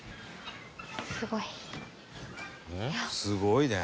すごい。